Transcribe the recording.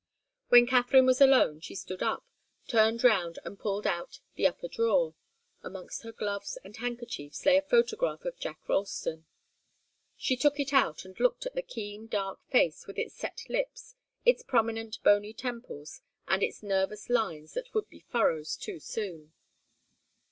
When Katharine was alone, she stood up, turned round and pulled out the upper drawer. Amongst her gloves and handkerchiefs lay a photograph of John Ralston. She took it out and looked at the keen, dark face, with its set lips, its prominent bony temples, and its nervous lines that would be furrows too soon.